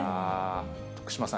徳島さん